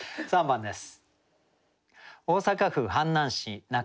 ３番です。